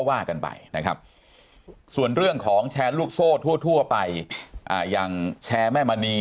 ว่ากันไปนะครับส่วนเรื่องของแชร์ลูกโซ่ทั่วไปอย่างแชร์แม่มณี